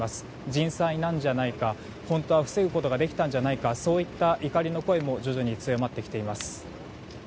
人災なんじゃないか本当は防ぐことができたんじゃないかといった怒りの声も徐々に強まってきています。